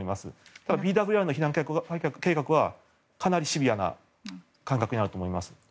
ただ、ＢＲＷの避難計画はかなりシビアな感覚になると思います。